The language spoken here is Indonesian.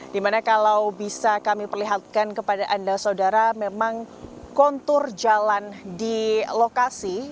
dimana kalau bisa kami perlihatkan kepada anda saudara memang kontur jalan di lokasi